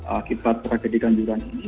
akibat tragedi ganjuran ini